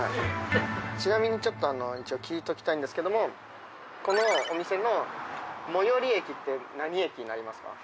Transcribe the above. ちなみに聞いておきたいんですけどもこのお店の最寄駅って何駅になりますか？